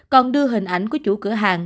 còn đưa hình ảnh của chủ cửa hàng